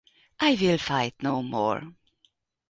I will fight no more.